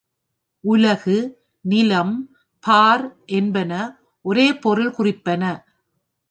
உலகு, நிலம், பார் என்பன ஒரே பொருள் குறிப்பன.